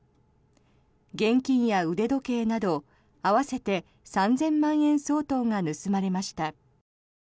現金や腕時計など合わせて３０００万円相当が盗まれました。